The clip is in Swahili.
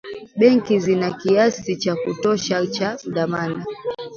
benki zina kiasi cha kutosha cha dhamana